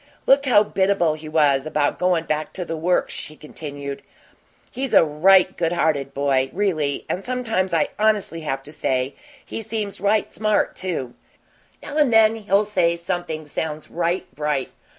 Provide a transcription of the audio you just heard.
"Look how biddable he was about goin' back to the Works," she continued. "He's a right good hearted boy, really, and sometimes I honestly have to say he seems right smart, too. Now and then he'll say something sounds right bright.